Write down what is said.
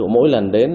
mỗi lần đến